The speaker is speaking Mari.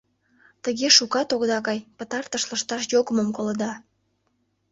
Тыге шукат огыда кай, пытартыш лышташ йогымым колыда.